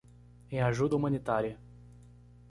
Em ajuda humanitária